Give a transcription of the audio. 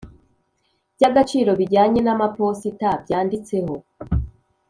by agaciro bijyanye n amaposita byanditseho